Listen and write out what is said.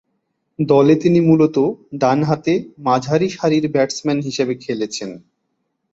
দলে তিনি মূলতঃ ডানহাতে মাঝারিসারির ব্যাটসম্যান হিসেবে খেলছেন।